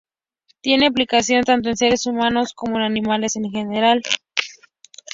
Tiene aplicación tanto en seres humanos como en animales en general.